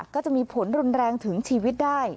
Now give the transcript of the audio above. ก็จะมีผลรุนแรงถึงชีวิตได้